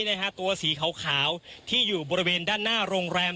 ตัวสีขาวที่อยู่บริเวณด้านหน้าโรงแรม